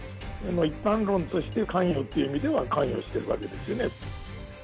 一般論として、関与という意味では関与しているわけですよね。